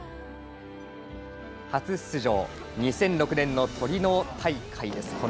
初出場２００６年のトリノ大会です。